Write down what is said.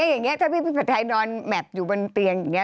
อย่างนี้ถ้าพี่ผัดไทยนอนแมพอยู่บนเตียงอย่างนี้